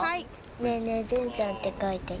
ねえねえ